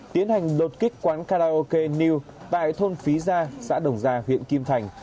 tiến hành đột kích quán karaoke new tại thôn phí gia xã đồng gia huyện kim thành